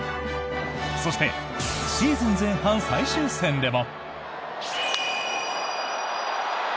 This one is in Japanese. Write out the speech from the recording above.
そしてシーズン前半最終戦でも。